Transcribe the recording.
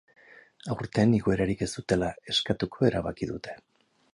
Aurten igoerarik ez dutela eskatuko erabaki dute.